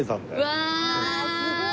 うわあすごーい。